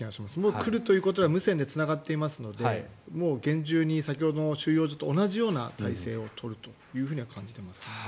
来るということは無線でつながっていますので先ほどの収容所と同じ態勢を取るとは感じています。